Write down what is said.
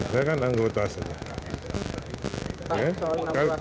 saya kan anggota saja